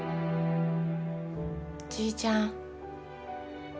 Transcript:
じいちゃん。